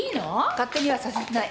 勝手にはさせてない。